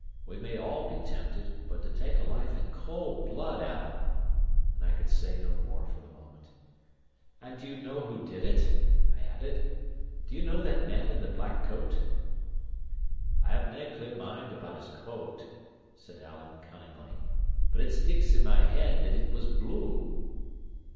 We may all be tempted; but to take a life in cold blood, Alan!" And I could say no more for the moment. "And do you know who did it?" I added. "Do you know that man in the black coat?" "I have nae clear mind about his coat," said Alan cunningly, "but it sticks in my head that it was blue."